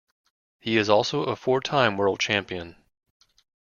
He is also a four-time world champion.